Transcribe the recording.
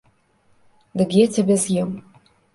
Дык я цябе з'ем!